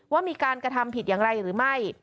ว่ามีการกระทำผิดอย่างไรหรือไม่